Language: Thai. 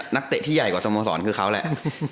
นักเตะที่ใหญ่กว่าสโมสรคือเขาแหละ